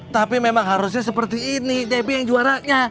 tapi memang harusnya seperti ini debbie yang juaranya